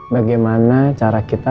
bagaimana cara kita